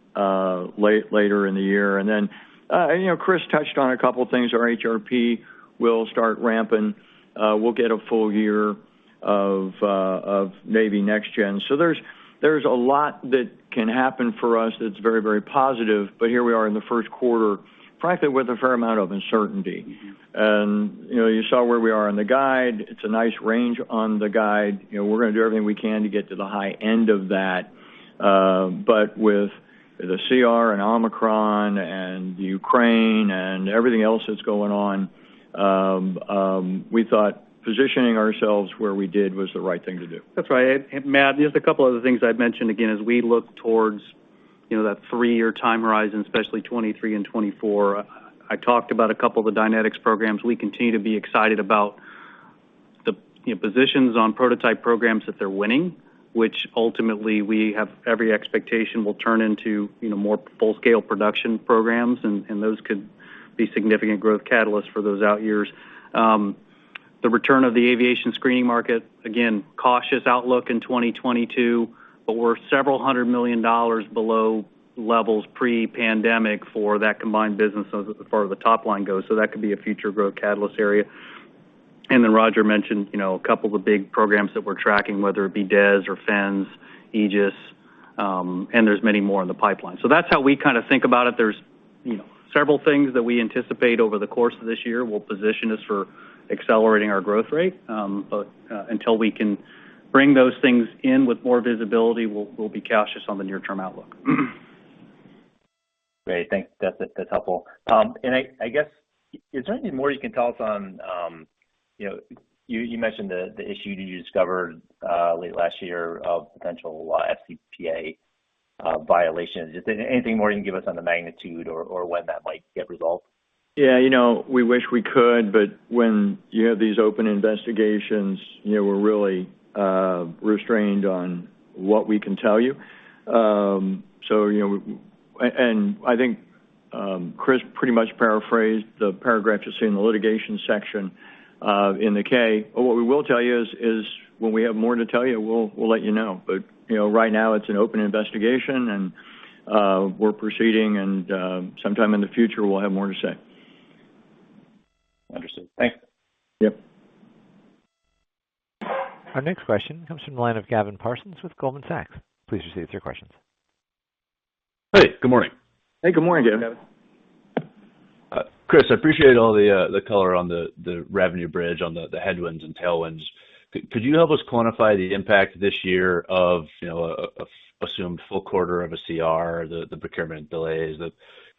later in the year. You know, Chris touched on a couple of things. Our RHRPwill start ramping. We'll get a full year of Navy NGEN. There's a lot that can happen for us that's very, very positive. Here we are in the first quarter, frankly, with a fair amount of uncertainty. You know, you saw where we are on the guide. It's a nice range on the guide. You know, we're gonna do everything we can to get to the high end of that. With the CR and Omicron and Ukraine and everything else that's going on, we thought positioning ourselves where we did was the right thing to do. That's right. Matt, just a couple other things I'd mention, again, as we look towards, you know, that three-year time horizon, especially 2023 and 2024. I talked about a couple of the Dynetics programs. We continue to be excited about the, you know, positions on prototype programs that they're winning, which ultimately we have every expectation will turn into, you know, more full scale production programs, and those could be significant growth catalysts for those out years. The return of the aviation screening market, again, cautious outlook in 2022, but we're several hundred million dollars below levels pre-pandemic for that combined business as far as the top line goes, so that could be a future growth catalyst area. Roger mentioned, you know, a couple of the big programs that we're tracking, whether it be DES or FENS, AEGIS, and there's many more in the pipeline. That's how we kinda think about it. There's, you know, several things that we anticipate over the course of this year will position us for accelerating our growth rate. Until we can bring those things in with more visibility, we'll be cautious on the near term outlook. Great. Thanks. That's helpful. I guess, is there anything more you can tell us on, you know, you mentioned the issue that you discovered late last year of potential FCPA violations. Is there anything more you can give us on the magnitude or when that might get resolved? Yeah, you know, we wish we could, but when you have these open investigations, you know, we're really restrained on what we can tell you. You know, I think Chris pretty much paraphrased the paragraph you see in the litigation section in the 10-K. What we will tell you is when we have more to tell you, we'll let you know. You know, right now it's an open investigation, and we're proceeding, and sometime in the future, we'll have more to say. Understood. Thanks. Yep. Our next question comes from the line of Gavin Parsons with Goldman Sachs. Please proceed with your questions. Hey, good morning. Hey, good morning, Gavin. Good morning, Gavin. Chris, I appreciate all the color on the revenue bridge, on the headwinds and tailwinds. Could you help us quantify the impact this year of, you know, a assumed full quarter of a CR, the procurement delays, the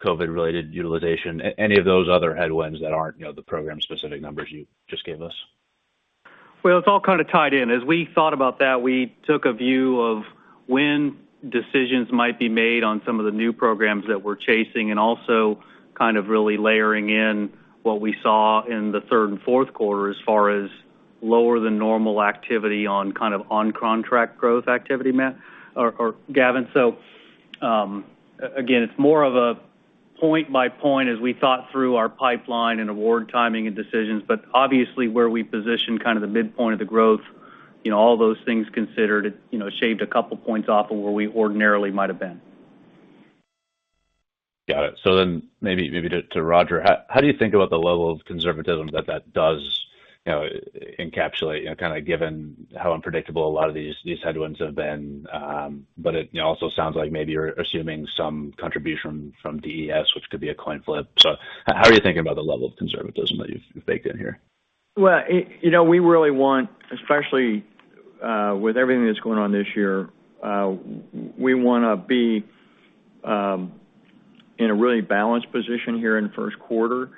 COVID-related utilization, any of those other headwinds that aren't, you know, the program specific numbers you just gave us? Well, it's all kinda tied in. As we thought about that, we took a view of when decisions might be made on some of the new programs that we're chasing, and also kind of really layering in what we saw in the third and fourth quarter as far as lower than normal activity on kind of on contract growth activity, Matt or Gavin. Again, it's more of a point by point as we thought through our pipeline and award timing and decisions. Obviously where we position kind of the midpoint of the growth, you know, all those things considered, it, you know, shaved a couple points off of where we ordinarily might have been. Got it. Maybe to Roger, how do you think about the level of conservatism that does, you know, encapsulate, you know, kinda given how unpredictable a lot of these headwinds have been? But it, you know, also sounds like maybe you're assuming some contribution from DES, which could be a coin flip. How are you thinking about the level of conservatism that you've baked in here? Well, you know, we really want, especially, with everything that's going on this year, we wanna be in a really balanced position here in the first quarter.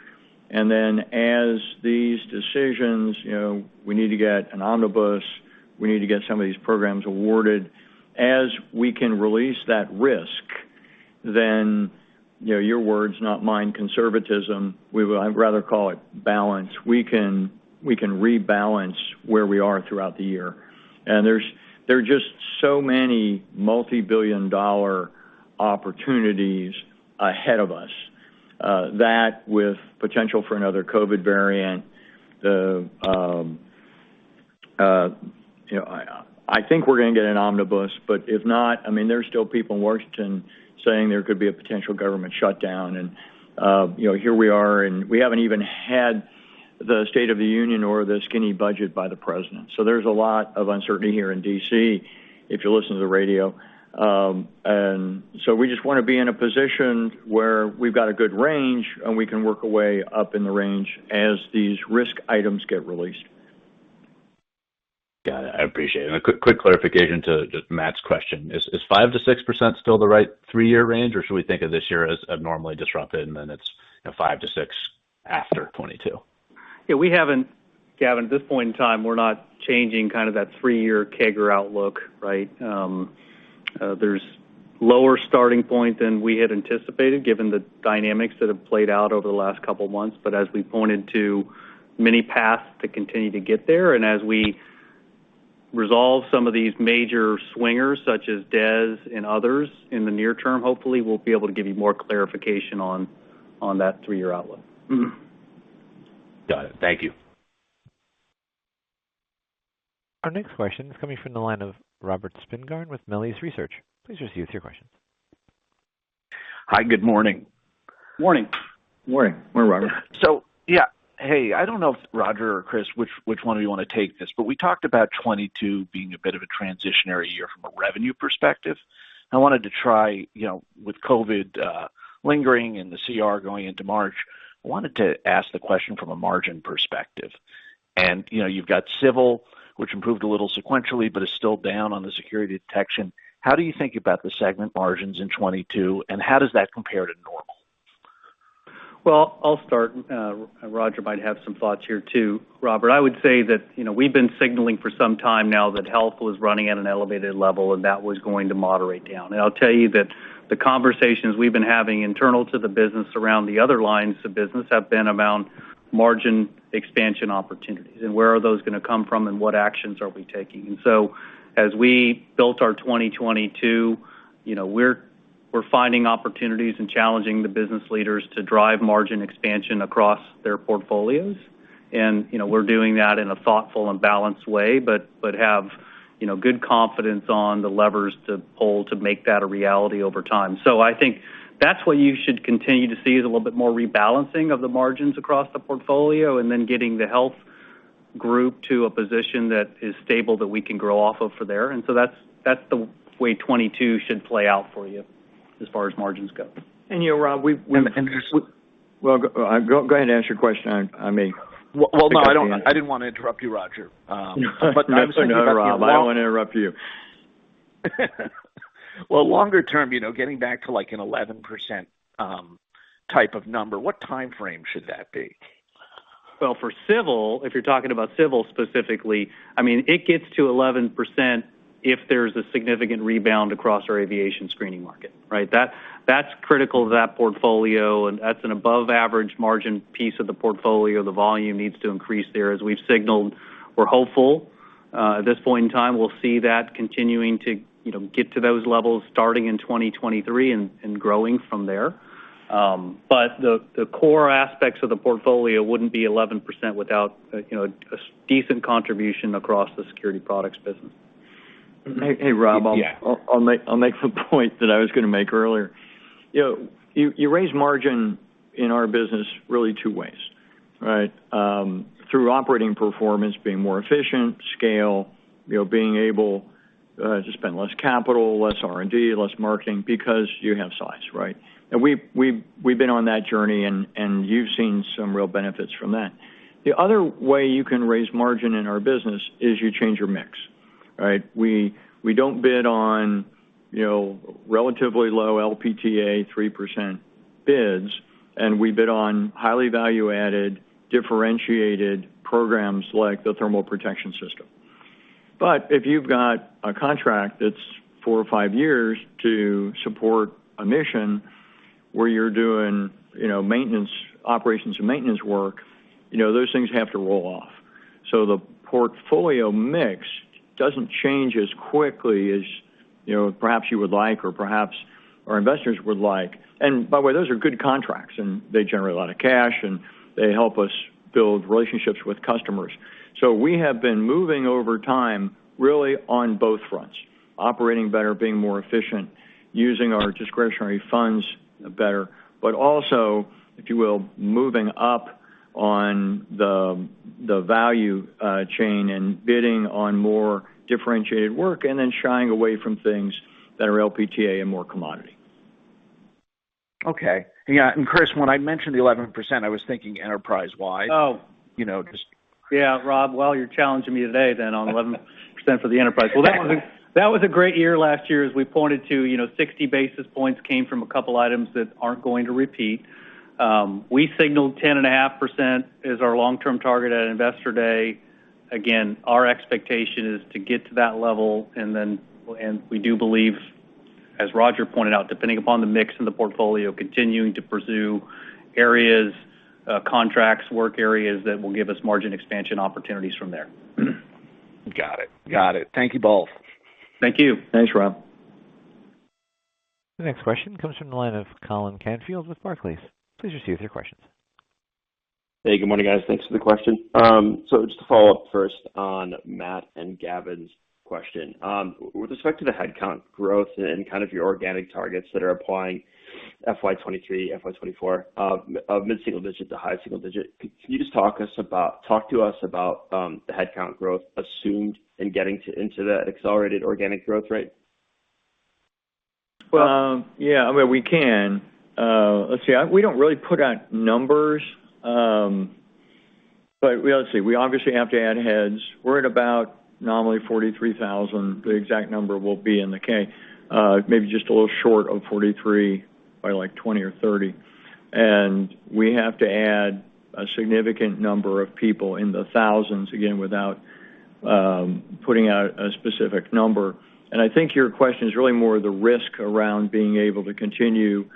As these decisions, you know, we need to get an omnibus, we need to get some of these programs awarded. As we can release that risk, then, you know, your words, not mine, conservatism. I'd rather call it balance. We can rebalance where we are throughout the year. There are just so many multi-billion-dollar opportunities ahead of us that with potential for another COVID variant. You know, I think we're gonna get an omnibus, but if not, I mean, there's still people in Washington saying there could be a potential government shutdown. You know, here we are, and we haven't even had the State of the Union or the skinny budget by the president. There's a lot of uncertainty here in D.C. if you listen to the radio. We just wanna be in a position where we've got a good range, and we can work our way up in the range as these risk items get released. Got it. I appreciate it. A quick clarification to just Matt's question. Is 5%-6% still the right three-year range, or should we think of this year as abnormally disrupted, and then it's, you know, 5%-6% after 2022? Gavin, at this point in time, we're not changing kind of that three-year CAGR outlook, right? There's a lower starting point than we had anticipated, given the dynamics that have played out over the last couple of months. As we pointed to many paths to continue to get there, and as we resolve some of these major swings, such as DES and others in the near term, hopefully, we'll be able to give you more clarification on that three-year outlook. Got it. Thank you. Our next question is coming from the line of Robert Spingarn with Melius Research. Please proceed with your question. Hi, good morning. Morning. Morning. Morning, Robert. Yeah. Hey, I don't know if Roger or Chris, which one of you want to take this, but we talked about 2022 being a bit of a transitionary year from a revenue perspective. I wanted to try, you know, with COVID lingering and the CR going into March, I wanted to ask the question from a margin perspective. You know, you've got Civil, which improved a little sequentially, but is still down on the security detection. How do you think about the segment margins in 2022, and how does that compare to normal? Well, I'll start. Roger might have some thoughts here too. Robert, I would say that, you know, we've been signaling for some time now that health was running at an elevated level, and that was going to moderate down. I'll tell you that the conversations we've been having internal to the business around the other lines of business have been around margin expansion opportunities and where are those going to come from and what actions are we taking. As we built our 2022, you know, we're finding opportunities and challenging the business leaders to drive margin expansion across their portfolios. You know, we're doing that in a thoughtful and balanced way, but have good confidence on the levers to pull to make that a reality over time. I think that's what you should continue to see is a little bit more rebalancing of the margins across the portfolio and then getting the health group to a position that is stable that we can grow off of for there. That's the way 2022 should play out for you as far as margins go. You know, Rob, we- And, and- Well, go ahead and ask your question. I may- Well, no, I don't. I didn't want to interrupt you, Roger. But No, Rob, I don't want to interrupt you. Well, longer term, you know, getting back to, like, an 11% type of number, what time frame should that be? For Civil, if you're talking about Civil specifically, I mean, it gets to 11% if there's a significant rebound across our aviation screening market, right? That's critical to that portfolio, and that's an above average margin piece of the portfolio. The volume needs to increase there. As we've signaled, we're hopeful at this point in time, we'll see that continuing to, you know, get to those levels starting in 2023 and growing from there. But the core aspects of the portfolio wouldn't be 11% without, you know, a decent contribution across the security products business. Hey, Rob. Yeah. I'll make the point that I was gonna make earlier. You know, you raise margin in our business really two ways, right? Through operating performance, being more efficient, scale, you know, being able to spend less capital, less R&D, less marketing because you have size, right? We've been on that journey, and you've seen some real benefits from that. The other way you can raise margin in our business is you change your mix, right? We don't bid on, you know, relatively low LPTA 3% bids, and we bid on highly value-added, differentiated programs like the thermal protection system. If you've got a contract that's four or five years to support a mission where you're doing, you know, maintenance operations and maintenance work, you know, those things have to roll off. The portfolio mix doesn't change as quickly as, you know, perhaps you would like or perhaps our investors would like. By the way, those are good contracts, and they generate a lot of cash, and they help us build relationships with customers. We have been moving over time, really on both fronts, operating better, being more efficient, using our discretionary funds better, but also, if you will, moving up on the value chain and bidding on more differentiated work and then shying away from things that are LPTA and more commodity. Okay. Yeah. Chris, when I mentioned the 11%, I was thinking enterprise-wide. Oh. You know, just. Yeah. Rob, well, you're challenging me today then on 11% for the enterprise. Well, that was a great year last year, as we pointed to. You know, 60 basis points came from a couple items that aren't going to repeat. We signaled 10.5% as our long-term target at Investor Day. Again, our expectation is to get to that level, and then we do believe, as Roger pointed out, depending upon the mix in the portfolio, continuing to pursue areas, contracts, work areas that will give us margin expansion opportunities from there. Got it. Thank you both. Thank you. Thanks, Rob. The next question comes from the line of Colin Canfield with Barclays. Please proceed with your questions. Hey, good morning, guys. Thanks for the question. Just to follow up first on Matt and Gavin's question. With respect to the headcount growth and kind of your organic targets that are applying FY 2023, FY 2024, of mid-single-digit to high single-digit, can you just talk to us about the headcount growth assumed in getting into that accelerated organic growth rate? Well. Yeah, I mean, we can. Let's see. We don't really put out numbers, but let's see. We obviously have to add heads. We're at about nominally 43,000. The exact number will be in the 10-K. Maybe just a little short of 43,000. By like 20,000 or 30,000. We have to add a significant number of people in the thousands, again, without putting out a specific number. I think your question is really more the risk around being able to continue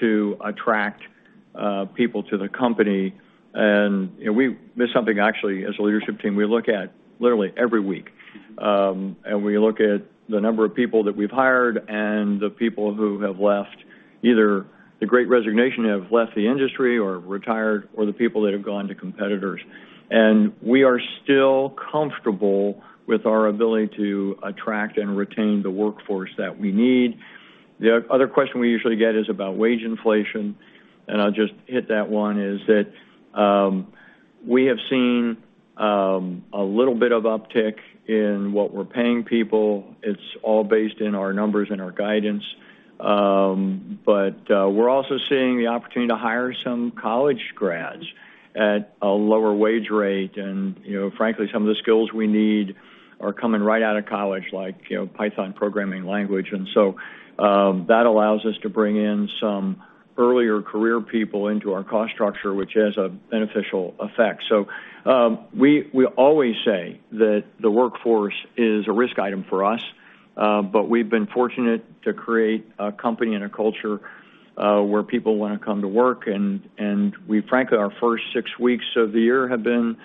to attract people to the company. You know, we, this is something actually as a leadership team, we look at literally every week. We look at the number of people that we've hired and the people who have left, either the Great Resignation have left the industry or retired, or the people that have gone to competitors. We are still comfortable with our ability to attract and retain the workforce that we need. The other question we usually get is about wage inflation, and I'll just hit that one. We have seen a little bit of uptick in what we're paying people. It's all based in our numbers and our guidance. We're also seeing the opportunity to hire some college grads at a lower wage rate. You know, frankly, some of the skills we need are coming right out of college, like, you know, Python programming language. That allows us to bring in some earlier career people into our cost structure, which has a beneficial effect. We always say that the workforce is a risk item for us, but we've been fortunate to create a company and a culture where people wanna come to work. Frankly, our first six weeks of the year have been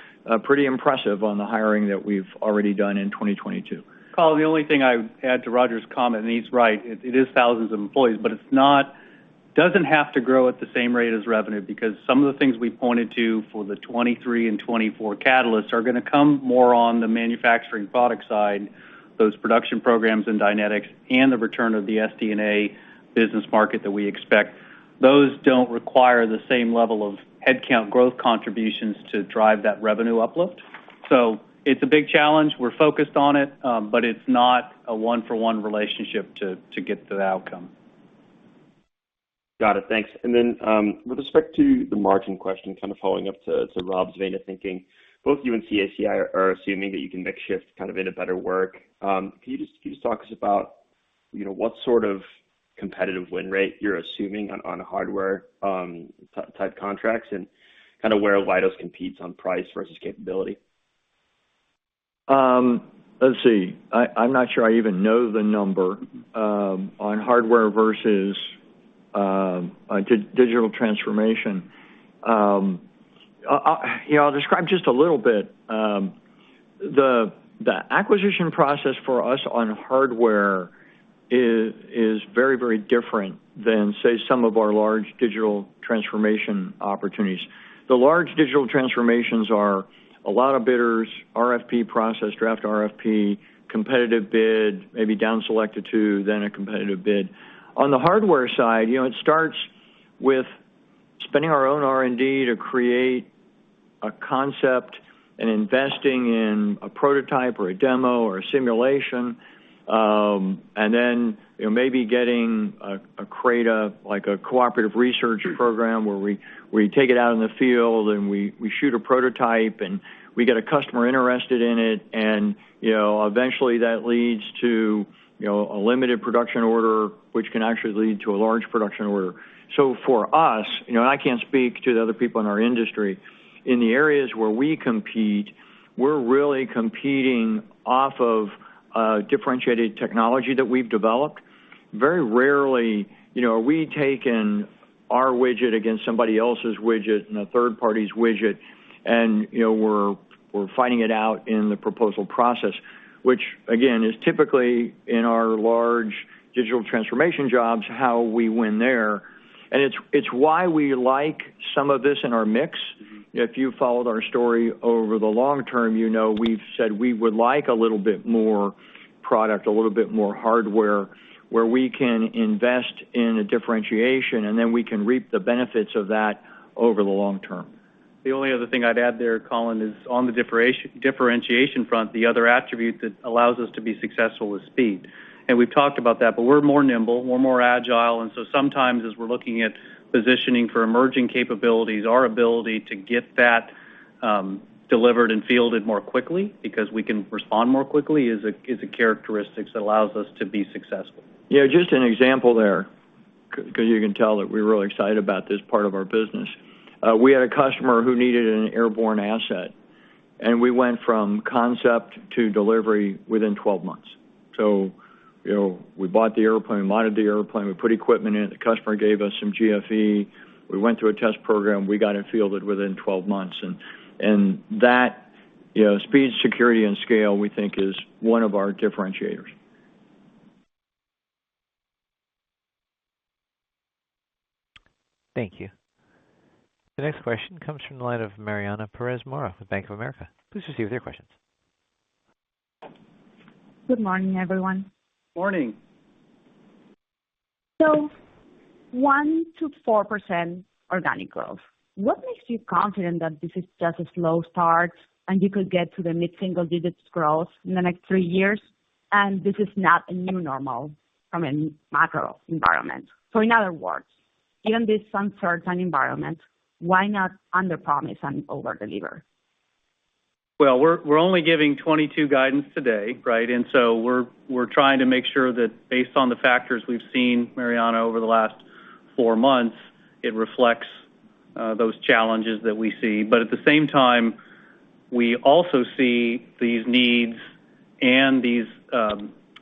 pretty impressive on the hiring that we've already done in 2022. Colin, the only thing I'd add to Roger's comment, and he's right, it is thousands of employees, but it doesn't have to grow at the same rate as revenue because some of the things we pointed to for the 2023 and 2024 catalysts are gonna come more on the manufacturing product side, those production programs in Dynetics and the return of the SD&A business market that we expect. Those don't require the same level of headcount growth contributions to drive that revenue uplift. So it's a big challenge. We're focused on it, but it's not a one-for-one relationship to get to the outcome. Got it. Thanks. With respect to the margin question, kind of following up in the vein of Robert's thinking, both you and CACI are assuming that you can make the shift kind of into better work. Can you just talk to us about, you know, what sort of competitive win rate you're assuming on hardware type contracts and kind of where Leidos competes on price versus capability? Let's see. I'm not sure I even know the number on hardware versus digital transformation. You know, I'll describe just a little bit. The acquisition process for us on hardware is very, very different than, say, some of our large digital transformation opportunities. The large digital transformations are a lot of bidders, RFP process, draft RFP, competitive bid, maybe down selected to then a competitive bid. On the hardware side, you know, it starts with spending our own R&D to create a concept and investing in a prototype or a demo or a simulation, and then, you know, maybe getting a CRADA, like a cooperative research program where we take it out in the field and we shoot a prototype and we get a customer interested in it. You know, eventually that leads to, you know, a limited production order, which can actually lead to a large production order. For us, you know, and I can't speak to the other people in our industry, in the areas where we compete, we're really competing off of a differentiated technology that we've developed. Very rarely, you know, are we taking our widget against somebody else's widget and a third party's widget and, you know, we're fighting it out in the proposal process, which again, is typically in our large digital transformation jobs, how we win there. It's why we like some of this in our mix. If you followed our story over the long term, you know we've said we would like a little bit more product, a little bit more hardware where we can invest in a differentiation, and then we can reap the benefits of that over the long term. The only other thing I'd add there, Colin, is on the differentiation front, the other attribute that allows us to be successful is speed. We've talked about that, but we're more nimble, we're more agile, and so sometimes as we're looking at positioning for emerging capabilities, our ability to get that delivered and fielded more quickly because we can respond more quickly is a characteristic that allows us to be successful. Just an example there, because you can tell that we're really excited about this part of our business. We had a customer who needed an airborne asset, and we went from concept to delivery within 12 months. You know, we bought the airplane, we mounted the airplane, we put equipment in it. The customer gave us some GFE. We went through a test program. We got it fielded within 12 months. That, you know, speed, security, and scale, we think is one of our differentiators. Thank you. The next question comes from the line of Mariana Perez Mora from Bank of America. Please proceed with your questions. Good morning, everyone. Morning. 1%-4% organic growth. What makes you confident that this is just a slow start and you could get to the mid-single digits growth in the next three years, and this is not a new normal from a macro environment? In other words, given this uncertain environment, why not underpromise and overdeliver? Well, we're only giving 2022 guidance today, right? We're trying to make sure that based on the factors we've seen, Mariana, over the last four months, it reflects those challenges that we see. At the same time, we also see these needs and these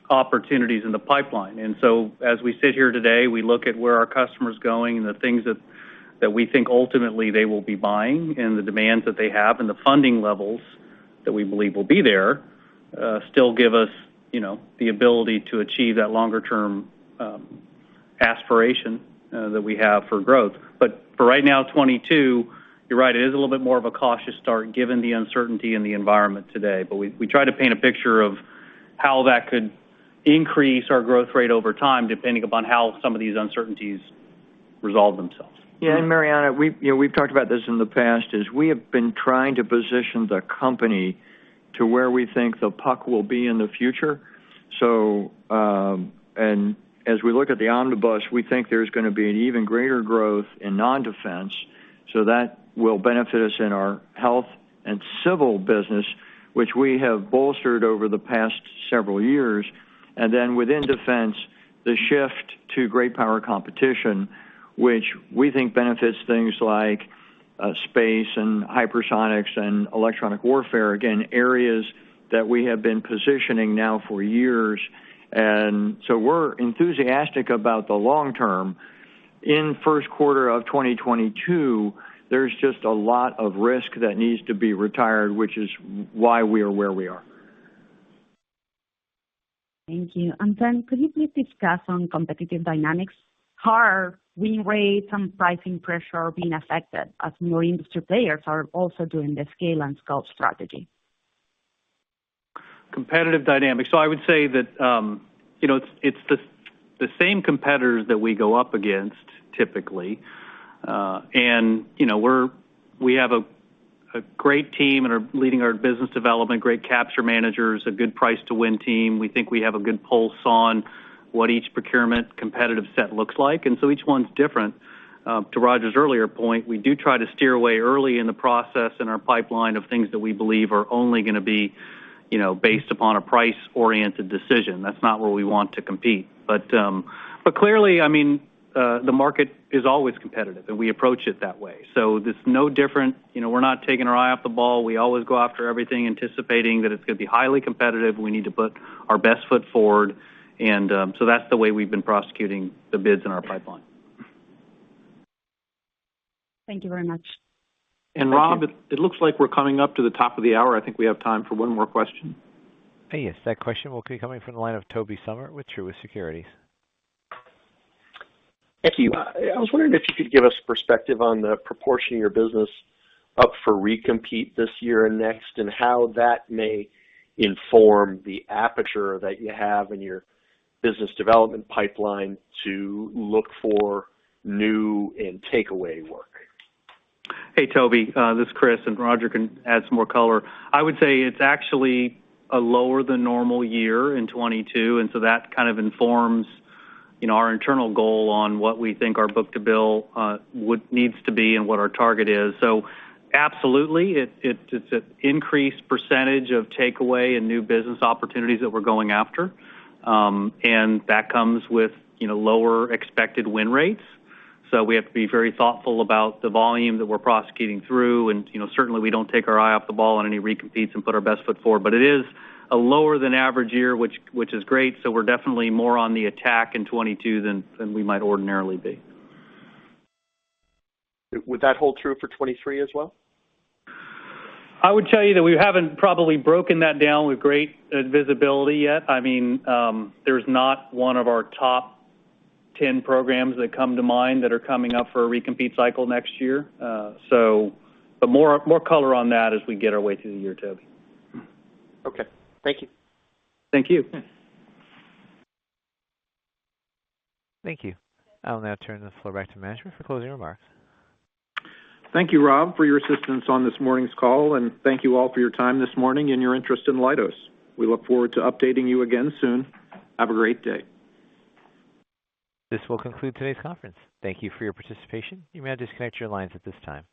opportunities in the pipeline. As we sit here today, we look at where our customer's going and the things that we think ultimately they will be buying and the demands that they have and the funding levels that we believe will be there still give us, you know, the ability to achieve that longer term aspiration that we have for growth. For right now, 2022, you're right. It is a little bit more of a cautious start given the uncertainty in the environment today, but we try to paint a picture of how that could increase our growth rate over time, depending upon how some of these uncertainties resolve themselves. Yeah, Mariana, we, you know, we've talked about this in the past, is we have been trying to position the company to where we think the puck will be in the future. As we look at the omnibus, we think there's gonna be an even greater growth in non-defense. That will benefit us in our Health and Civil business, which we have bolstered over the past several years. Then within defense, the shift to great power competition, which we think benefits things like space and hypersonics and electronic warfare. Again, areas that we have been positioning now for years. We're enthusiastic about the long term. In first quarter of 2022, there's just a lot of risk that needs to be retired, which is why we are where we are. Thank you. Could you please discuss on competitive dynamics, how are win rates and pricing pressure being affected as more industry players are also doing the scale and scope strategy? Competitive dynamics. I would say that, you know, it's the same competitors that we go up against typically. You know, we have a great team and are leading our business development, great capture managers, a good price to win team. We think we have a good pulse on what each procurement competitive set looks like. Each one's different. To Roger's earlier point, we do try to steer away early in the process in our pipeline of things that we believe are only gonna be, you know, based upon a price-oriented decision. That's not where we want to compete. Clearly, I mean, the market is always competitive and we approach it that way. There's no different. You know, we're not taking our eye off the ball. We always go after everything anticipating that it's gonna be highly competitive. We need to put our best foot forward. That's the way we've been prosecuting the bids in our pipeline. Thank you very much. Rob, it looks like we're coming up to the top of the hour. I think we have time for one more question. Yes. That question will be coming from the line of Tobey Sommer with Truist Securities. Thank you. I was wondering if you could give us perspective on the proportion of your business up for recompete this year and next, and how that may inform the aperture that you have in your business development pipeline to look for new and takeaway work. Hey, Tobey, this is Chris, and Roger can add some more color. I would say it's actually a lower than normal year in 2022, and that kind of informs, you know, our internal goal on what we think our book-to-bill needs to be and what our target is. Absolutely, it's increased percentage of takeaway and new business opportunities that we're going after. That comes with, you know, lower expected win rates. We have to be very thoughtful about the volume that we're prosecuting through. You know, certainly we don't take our eye off the ball on any recompetes and put our best foot forward. It is a lower than average year, which is great, so we're definitely more on the attack in 2022 than we might ordinarily be. Would that hold true for 2023 as well? I would tell you that we haven't probably broken that down with great visibility yet. I mean, there's not one of our top ten programs that come to mind that are coming up for a recompete cycle next year. More color on that as we make our way through the year, Tobey. Okay. Thank you. Thank you. Thank you. I'll now turn the floor back to management for closing remarks. Thank you, Rob, for your assistance on this morning's call, and thank you all for your time this morning and your interest in Leidos. We look forward to updating you again soon. Have a great day. This will conclude today's conference. Thank you for your participation. You may now disconnect your lines at this time.